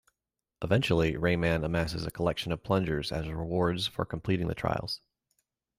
Eventually, Rayman amasses a collection of plungers as rewards for completing the trials.